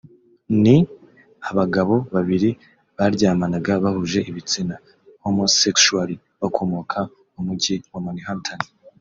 ni abagabo babiri baryamanaga bahuje ibitsina (homosexuals) bakomokaga mu Mujyi wa Manhattan